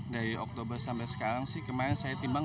delapan puluh lima dari oktober sampai sekarang sih kemarin saya timbang